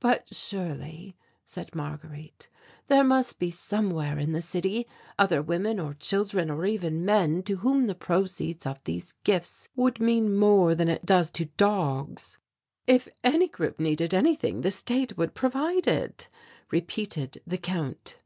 "But surely," said Marguerite, "there must be somewhere in the city, other women or children or even men to whom the proceeds of these gifts would mean more than it does to dogs." "If any group needed anything the state would provide it," repeated the Count.